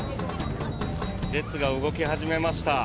列が動き始めました。